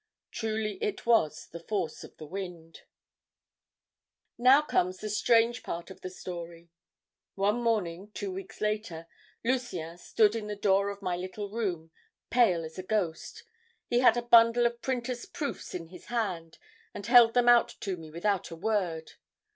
Truly it was 'The Force of the Wind.' ..... "Now comes the strange part of the story. One morning, two weeks later, Lucien stood in the door of my little room, pale as a ghost. He had a bundle of printer's proofs in his hand, and held them out to me without a word.